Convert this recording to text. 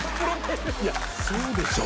いそうでしょ！